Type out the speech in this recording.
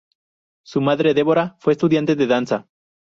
Su madre Deborah fue estudiante de danza.